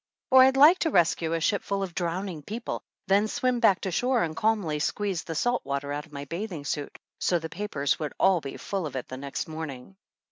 Or I'd like to rescue a ship full of drowning people, then swim back to shore and calmly squeeze the salt water out of my bathing suit, so the papers would all be full, of it the next morning.